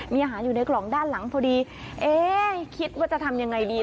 มีอาหารอยู่ในกล่องด้านหลังพอดีเอ๊ะคิดว่าจะทำยังไงดี